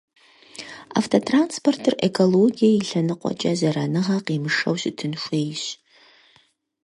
Автотранспортыр экологие и лъэныкъуэкӀэ зэраныгъэ къимышэу щытын хуейщ.